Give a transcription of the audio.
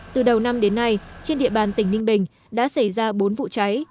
từ đầu năm đến nay trên địa bàn tỉnh ninh bình đã xảy ra bốn vụ cháy